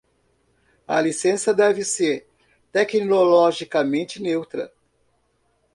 A licença deve ser tecnologicamente neutra.